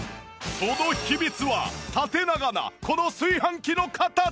その秘密は縦長なこの炊飯器の形！